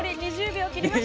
２０秒！